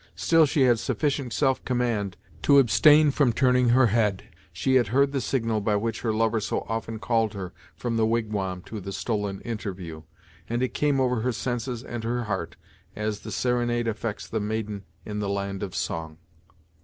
Still she had sufficient self command to abstain from turning her head. She had heard the signal by which her lover so often called her from the wigwam to the stolen interview, and it came over her senses and her heart, as the serenade affects the maiden in the land of song.